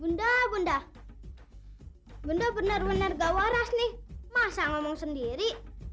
bunda bunda benar benar gak waras nih masa ngomong sendiri